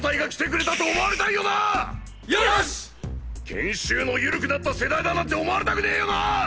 「研修のユルくなった世代だ」なんて思われたくねよな！？